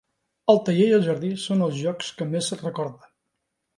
El taller i el jardí són els llocs que més recorda.